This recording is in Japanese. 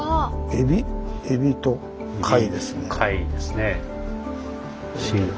エビと貝ですね。